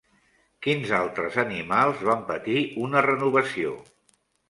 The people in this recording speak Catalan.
Quins altres animals van patir una renovació?